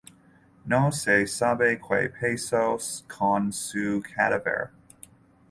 No se sabe que pasó con su cadáver.